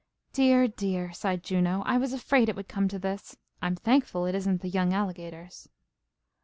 "Dear, dear!" sighed Juno. "I was afraid it would come to this. I'm thankful it isn't the young alligators."